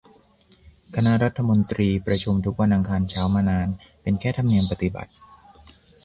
คณะรัฐมนตรี ประชุมทุกวันอังคารเช้ามานาน เป็นแค่ธรรมเนียมปฏิบัติ